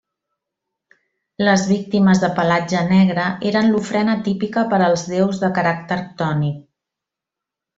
Les víctimes de pelatge negre eren l'ofrena típica per als déus de caràcter ctònic.